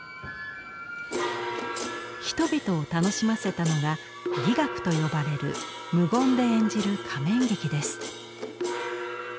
人々を楽しませたのが「伎楽」と呼ばれる無言で演じる仮面劇です。